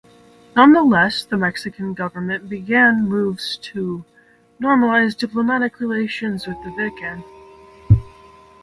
Nonetheless, the Mexican government began moves to normalize diplomatic relations with the Vatican.